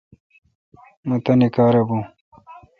مہ تانی کار بھو۔